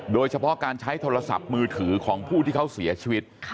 โดยเฉพาะการใช้โทรศัพท์มือถือของผู้ที่เขาเสียชีวิต